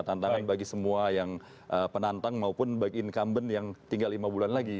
tantangan bagi semua yang penantang maupun bagi incumbent yang tinggal lima bulan lagi